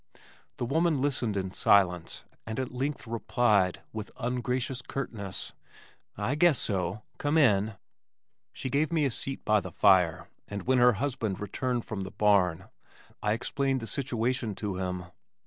The woman listened in silence and at length replied with ungracious curtness, "I guess so. Come in." She gave me a seat by the fire, and when her husband returned from the barn, I explained the situation to him.